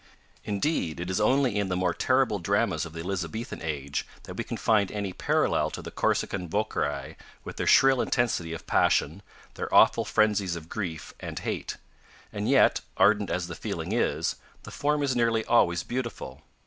Indeed, it is only in the more terrible dramas of the Elizabethan age that we can find any parallel to the Corsican voceri with their shrill intensity of passion, their awful frenzies of grief and hate. And yet, ardent as the feeling is, the form is nearly always beautiful.